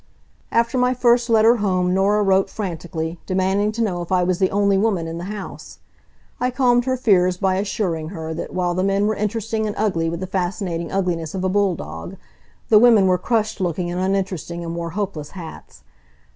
After my first letter home Norah wrote frantically, demanding to know if I was the only woman in the house. I calmed her fears by assuring her that, while the men were interesting and ugly with the fascinating ugliness of a bulldog, the women were crushed looking and uninteresting and wore hopeless hats.